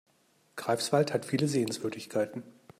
Greifswald hat viele Sehenswürdigkeiten